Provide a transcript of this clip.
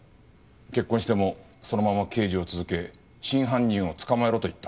結婚してもそのまま刑事を続け真犯人を捕まえろと言った。